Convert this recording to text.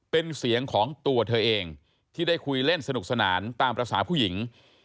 เป็นเสียงของตัวเธอเองที่ได้คุยเล่นสนุกสนานตามภาษาผู้หญิง